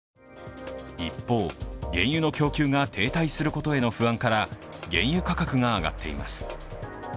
一方、原油の供給が停滞することへの不安から原油価格が上がっています。